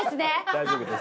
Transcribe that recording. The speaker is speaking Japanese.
大丈夫です。